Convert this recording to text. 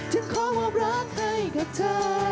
จะขอบรับให้กับเธอ